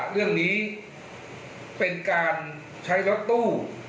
เรื่องนี้เป็นการใช้รถตู้